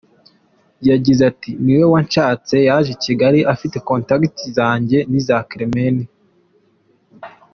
Yagize ati “Ni we wanshatse, yaje i Kigali afite contacts zanjye n’iza Clement.